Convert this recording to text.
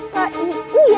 pak iu ya